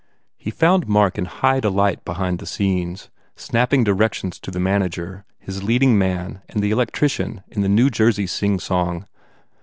He found Mark in high de light behind the scenes, snapping directions to his manager, his leading man and the electrician in the New Jersey singsong.